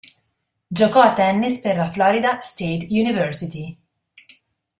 Giocò a tennis per la Florida State University.